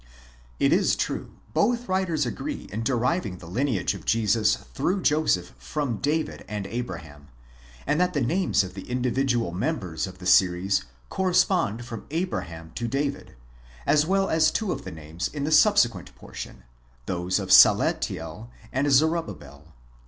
It is true, both writers agree in deriving the lineage of Jesus through Joseph from David and Abraham, and that the names of the individual members of the series correspond from. Abraham to David, as well as two of the names in the subsequent portion ; those of Salathiel and Zorobabel.